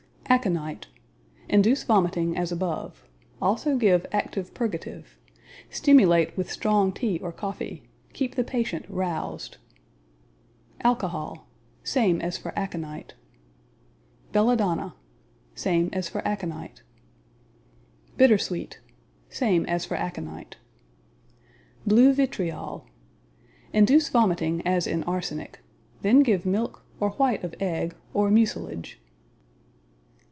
Aconite Induce vomiting as above. Also give active purgative. Stimulate with strong tea or coffee. Keep the patient roused. Alcohol Same as for aconite. Belladonna Same as for aconite. Bitter sweet Same as for aconite. Blue vitriol Induce vomiting as in arsenic. Then give milk, or white of egg, or mucilage.